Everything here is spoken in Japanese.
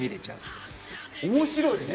面白いね！